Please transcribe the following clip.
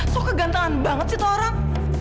so kegantangan banget sih itu orang